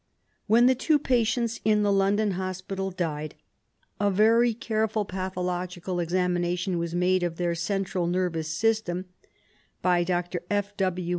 When the two patients in the London Hospital died, a very careful pathological examination was made of their central nervous system by Dr. F. W.